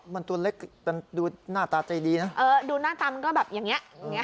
มันตัวเล็กมันดูหน้าตาใจดีนะเออดูหน้าตามันก็แบบอย่างเงี้